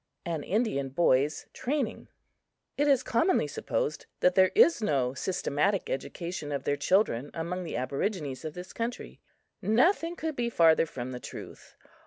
AN INDIAN BOY'S TRAINING IT is commonly supposed that there is no systematic education of their children among the aborigines of this country. Nothing could be farther from the truth.